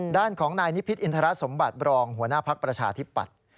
ด้านของนายนิพิษอินทรสมบัติบรองหัวหน้าภักดิ์ประชาธิปัตย์